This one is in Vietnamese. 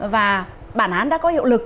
và bản án đã có hiệu lực